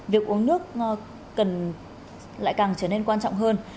việc uống nước lại càng trở nên quan trọng hơn